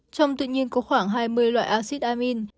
trong tự nhiên có khoảng hai mươi loại acid amin